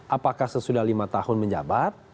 apakah sesudah lima tahun menjabat